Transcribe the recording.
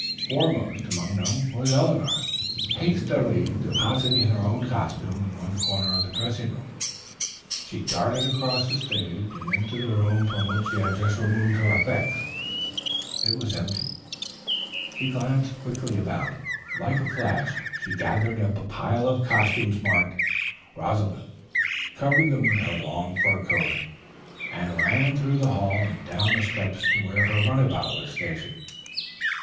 Foremost among them was Eleanor. Hastily depositing her own costumes in one corner of the dressing room, she darted across the stage and into the room from which she had just moved her effects. It was empty. She glanced quickly about. Like a flash she gathered up a pile of costumes marked "Rosalind," covered them with her long fur coat and ran through the hall and down the steps to where her runabout was stationed.